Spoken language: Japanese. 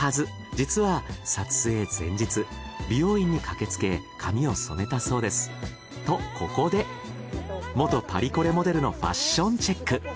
実は撮影前日美容院に駆けつけ髪を染めたそうです。とここで元パリコレモデルのファッションチェック。